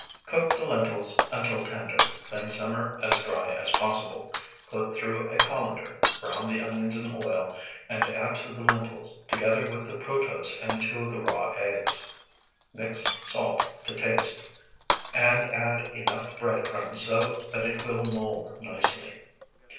Cook the lentils until tender, then simmer as dry as possible. Put through a colander, brown the onions in oil, and add to the lentils, together with the protose and two of the raw eggs. Mix salt to taste, and add enough bread crumbs so that it will mold nicely.